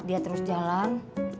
dia terus jalan